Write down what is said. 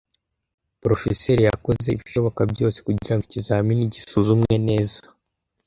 Porofeseri yakoze ibishoboka byose kugira ngo ikizamini gisuzumwe neza.